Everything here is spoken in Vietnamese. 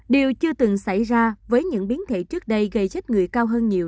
điều chưa từng xảy ra với những biến thể trước đây gây chết người cao hơn nhiều